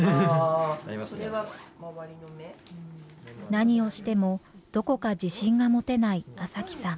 何をしてもどこか自信が持てない麻貴さん。